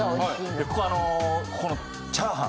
ここあのここのチャーハン。